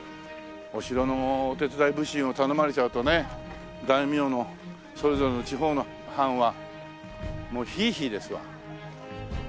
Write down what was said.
お城のお手伝い普請を頼まれちゃうとね大名のそれぞれの地方の藩はもうヒーヒーですわ。